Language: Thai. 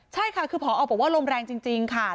ใช่ค่ะคือพอบอกว่าลมแรงจริงค่ะ